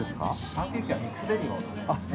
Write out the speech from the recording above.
◆パンケーキはミックスベリーがお勧めですね。